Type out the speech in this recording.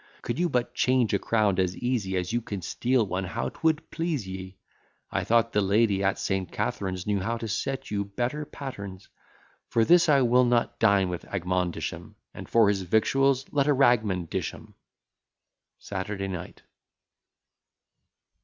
Could you but change a crown as easy As you can steal one, how 'twould please ye! I thought the lady at St. Catherine's Knew how to set you better patterns; For this I will not dine with Agmondisham, And for his victuals, let a ragman dish 'em. Saturday night.